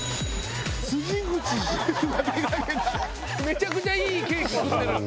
めちゃくちゃいいケーキ食ってる。